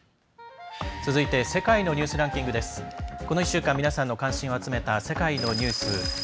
続いて「世界のニュースランキング」。この１週間皆さんの関心を集めた世界のニュース。